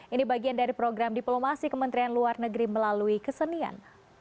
ini bagian dari program diplomasi kementerian luar negeri melalui kesenian